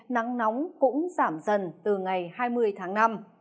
nắng nóng cũng giảm dần từ ngày hai mươi tháng năm